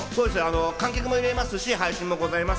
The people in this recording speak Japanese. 観客も入れますし、配信もございます。